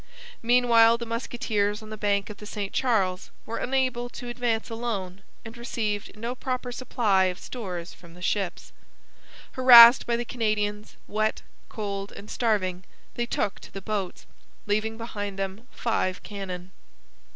Meanwhile the musketeers on the bank of the St Charles were unable to advance alone and received no proper supply of stores from the ships. Harassed by the Canadians, wet, cold, and starving, they took to the boats, leaving behind them five cannon.